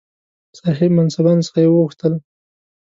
صاحب منصبانو څخه یې وغوښتل.